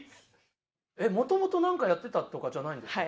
えっ、もともとなんかやってたとかじゃないんですか？